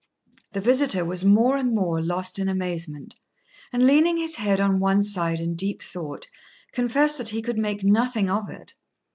The visitor was more and more lost in amazement, and; leaning his head on one side in deep thought, confessed that he could make nothing of it.